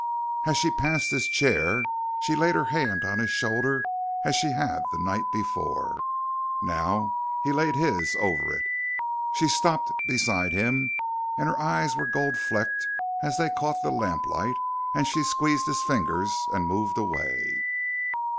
As she passed his chair, she laid her hand on his shoulder as she had the night before. Now he laid his over it. She stopped beside him, and her eyes were gold flecked as they caught the lamplight, and she squeezed his fingers and moved away.